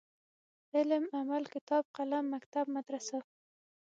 علم ،عمل ،کتاب ،قلم ،مکتب ،مدرسه